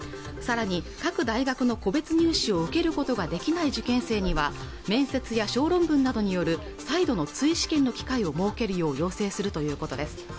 さらに各大学の個別入試を受けることができない受験生には面接や小論文などによる再度の追試験の機会を設けるよう要請するということです